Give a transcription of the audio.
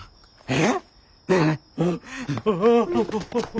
えっ！？